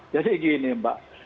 jadi gini mbak